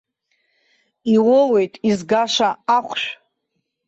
Иуоуеит изгаша ахәшә.